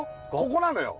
ここなのよ